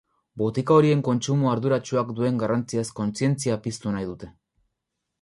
Botika horien kontsumo arduratsuak duen garrantziaz kontzientzia piztu nahi dute.